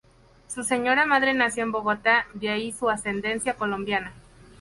Su señora madre nació en Bogotá de ahí su ascendencia colombiana.